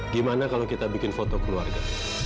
gimana kalau kita bikin foto keluarga